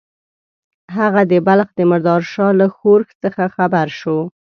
هغه د بلخ د مراد شاه له ښورښ څخه خبر شو.